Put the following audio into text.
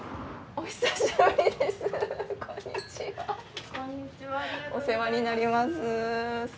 お世話になります